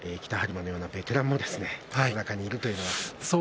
磨のようなベテランもこの中にいるというのは。